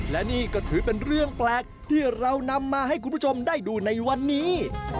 และนี่ก็ถือเป็นเรื่องแปลกที่เรานำมาให้คุณผู้ชมได้ดูในวันนี้